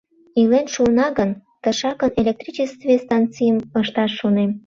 Илен шуына гын, тышакын электричестве станцийым ышташ шонем.